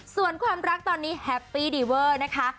ส่วนความรักตอนนี้แฮปปี้ดีเวอร์นะคะ